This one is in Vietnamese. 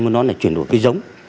muốn nói là chuyển đổi cây giống